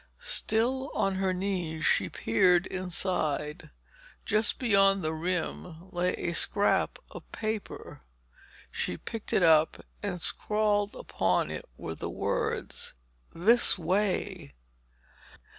Still on her knees she peered inside. Just beyond the rim lay a scrap of paper. She picked it up and scrawled upon it were the words "This way"....